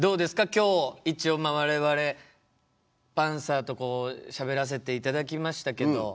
今日一応我々パンサーとしゃべらせて頂きましたけど。